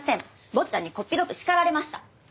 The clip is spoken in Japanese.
坊ちゃんにこっぴどく叱られました。